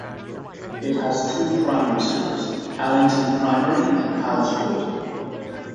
It has two primary schools; Allington Primary and Palace Wood.